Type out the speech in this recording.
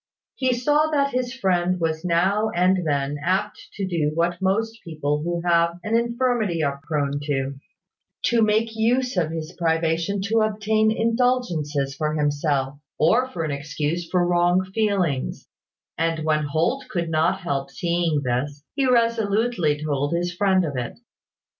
He saw that his friend was now and then apt to do what most people who have an infirmity are prone to, to make use of his privation to obtain indulgences for himself, or as an excuse for wrong feelings; and when Holt could not help seeing this, he resolutely told his friend of it.